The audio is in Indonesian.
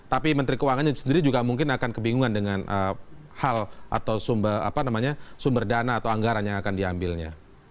tapi menteri keuangan sendiri juga mungkin akan kebingungan dengan hal atau sumber dana atau anggaran yang akan diambilnya